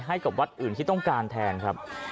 ให้กับวัดอื่นที่ต้องการแทนครับ